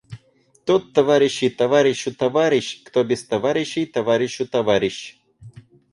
Тот, товарищи, товарищу товарищ, кто без товарищей товарищу товарищ.